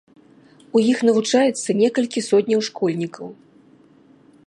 У іх навучаецца некалькі сотняў школьнікаў.